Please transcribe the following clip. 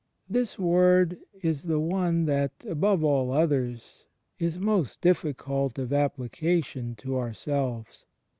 This Word is the one that, above all others, is most difficult of application to ourselves.